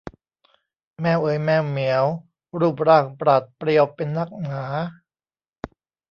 แมวเอ๋ยแมวเหมียว รูปร่างปราดเปรียวเป็นนักหนา